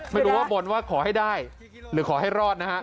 ไม่รู้ว่าบนว่าขอให้ได้หรือขอให้รอดนะฮะ